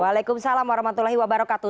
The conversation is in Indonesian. waalaikumsalam warahmatullahi wabarakatuh